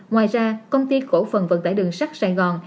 ngoài ra công ty khổ phần vận tải đường sát sài gòn